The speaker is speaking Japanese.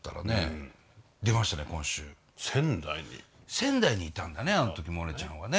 仙台にいたんだねあの時モネちゃんはね。